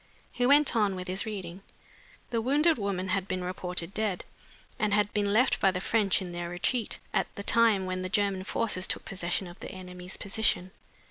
He went on with his reading: "'The wounded woman had been reported dead, and had been left by the French in their retreat, at the time when the German forces took possession of the enemy's position.